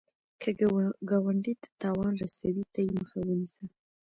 که ګاونډي ته تاوان رسوي، ته یې مخه ونیسه